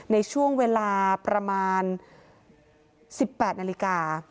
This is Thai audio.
ในช่วงเวลาประมาณ๑๘นาฬิกา